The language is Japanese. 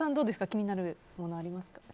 気になるものありますか？